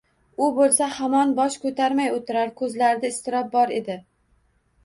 U bo‘lsa hamon bosh ko‘tarmay o‘tirar, ko‘zlarida iztirob bor edi.